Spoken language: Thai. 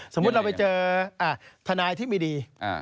สมมุติเราไปเจอทนายที่ไม่ดี